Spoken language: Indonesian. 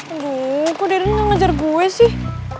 aduh kok deryn gak ngejar gue sih